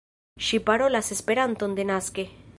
Ŝi parolas Esperanton denaske.